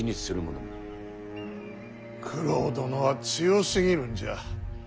九郎殿は強すぎるんじゃ。